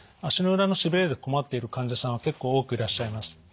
足の裏のしびれで困っている患者さんは結構多くいらっしゃいます。